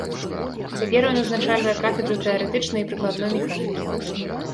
Цяпер ён узначальвае кафедру тэарэтычнай і прыкладной механікі.